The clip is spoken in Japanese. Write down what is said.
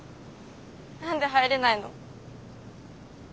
何で入れないの？